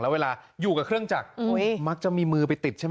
แล้วเวลาอยู่กับเครื่องจักรมักจะมีมือไปติดใช่ไหม